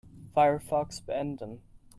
Firefox beenden.